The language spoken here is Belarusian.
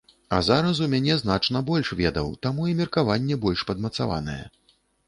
А зараз у мяне значна больш ведаў, таму і меркаванне больш падмацаванае.